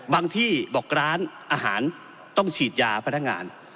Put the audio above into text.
ที่บอกร้านอาหารต้องฉีดยาพนักงาน